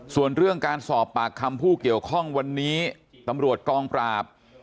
ส่วนเรื่องการสอบปากคำผู้เกี่ยวข้องวันนี้ตำรวจกองปราบ